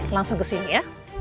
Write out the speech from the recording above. langsung kesini ya